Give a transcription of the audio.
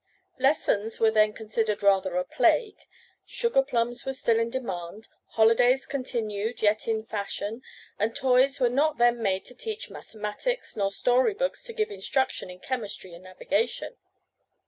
Lessons were then considered rather a plague, sugar plums were still in demand, holidays continued yet in fashion, and toys were not then made to teach mathematics, nor storybooks to give instruction in chemistry and navigation.